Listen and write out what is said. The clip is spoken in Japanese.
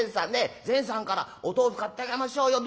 善さんからお豆腐買ってあげましょうよ」。